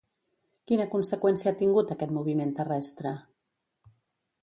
Quina conseqüència ha tingut aquest moviment terrestre?